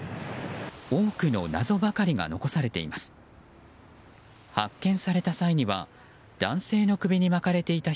多くの謎ばかりが残されています。